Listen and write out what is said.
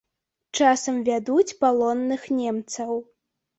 Часам вядуць палонных немцаў.